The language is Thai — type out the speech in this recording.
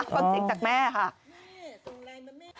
ฟังเสียงจากแม่ค่ะ